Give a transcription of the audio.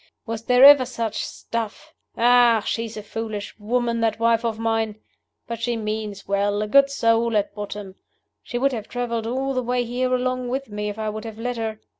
Was there ever such stuff? Ah, she's a foolish woman, that wife of mine! But she means well a good soul at bottom. She would have traveled all the way here along with me if I would have let her.